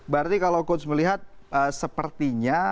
berarti kalau coach melihat sepertinya